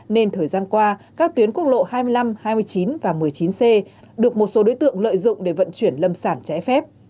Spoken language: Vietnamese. nên thời gian qua các tuyến quốc lộ hai mươi năm hai mươi chín và một mươi chín c được một số đối tượng lợi dụng để vận chuyển lâm sản trái phép